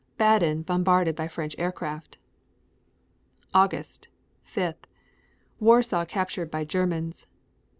Baden bombarded by French aircraft. August 5. Warsaw captured by Germans.